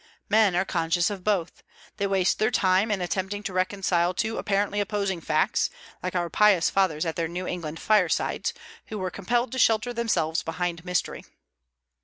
Men are conscious of both; they waste their time in attempting to reconcile two apparently opposing facts, like our pious fathers at their New England firesides, who were compelled to shelter themselves behind mystery.